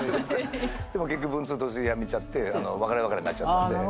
でも文通途中でやめちゃって別れ別れになっちゃったんで。